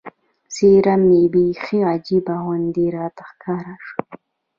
څېره مې بیخي عجیبه غوندې راته ښکاره شوه.